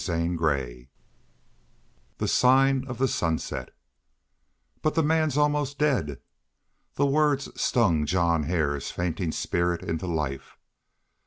MESCAL I. THE SIGN OF THE SUNSET "BUT the man's almost dead." The words stung John Hare's fainting spirit into life.